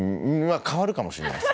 変わるかもしれないです。